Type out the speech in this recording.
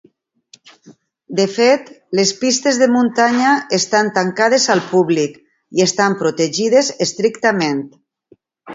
De fet, les pistes de muntanya estan tancades al públic i estan protegides estrictament.